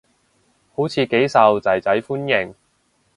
好似幾受囝仔歡迎